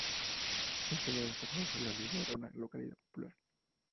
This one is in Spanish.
En generaciones pasadas "El Olivo" era una localidad popular.